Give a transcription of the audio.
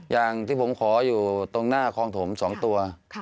อย่างที่ผมขออยู่ตรงหน้าคลองถม๒ตัว